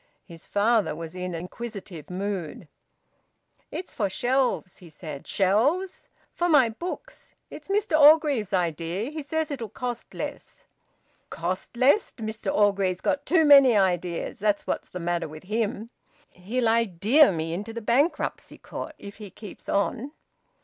His father was in an inquisitive mood. "It's for shelves," he said. "Shelves?" "For my books. It's Mr Orgreave's idea. He says it'll cost less." "Cost less! Mr Orgreave's got too many ideas that's what's the matter with him. He'll idea me into the bankruptcy court if he keeps on."